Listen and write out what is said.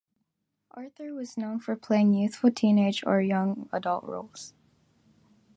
Arthur was known for playing youthful teenage or young adult roles.